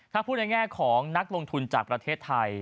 ถ้าพูดในแง่ของนักลงทุนจากประเทศไทย